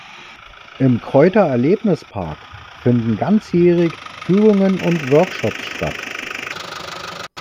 Im Kräuter-Erlebnis-Park finden ganzjährig Führungen und Workshops statt.